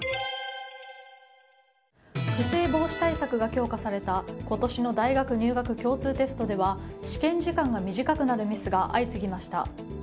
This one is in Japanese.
不正防止対策が強化された今年の大学入学共通テストでは試験時間が短くなるミスが相次ぎました。